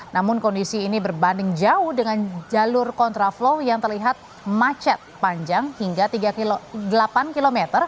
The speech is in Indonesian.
namun kondisi ini berbanding jauh dengan jalur kontraflow yang terlihat macet panjang hingga delapan km